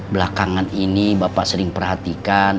belakangan ini bapak sering perhatikan